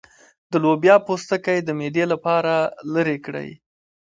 د لوبیا پوستکی د معدې لپاره لرې کړئ